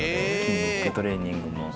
筋力トレーニングも。